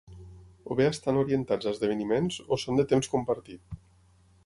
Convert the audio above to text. O bé estan orientats a esdeveniments o són de temps compartit.